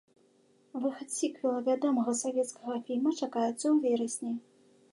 Выхад сіквэла вядомага савецкага фільма чакаецца ў верасні.